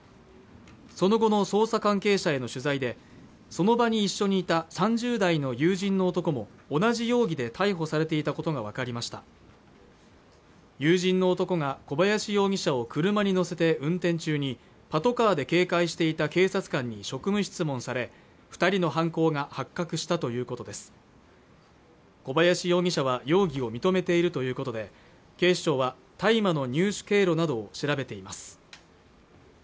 その後の捜査関係者への取材でその場に一緒にいた３０代の友人の男も同じ容疑で逮捕されていたことが分かりました友人の男が小林容疑者を車に乗せて運転中にパトカーで警戒していた警察官に職務質問され二人の犯行が発覚したということです小林容疑者は容疑を認めているということで警視庁は大麻の入手経路などを調べています